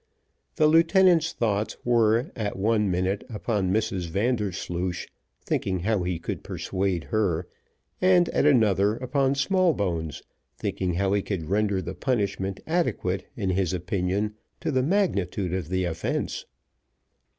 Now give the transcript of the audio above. The lieutenant's thoughts were, at one minute, upon Mrs Vandersloosh, thinking how he could persuade her, and, at another, upon Smallbones, thinking how he could render the punishment adequate, in his opinion, to the magnitude of the offence.